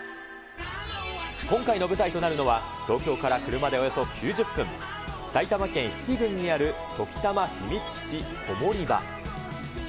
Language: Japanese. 今回の舞台となるのは東京から車でおよそ９０分、埼玉県比企郡にあるときたまひみつきちコモリバ。